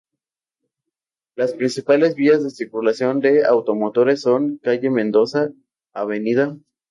Las principales vías de circulación de automotores son: calle Mendoza; Av.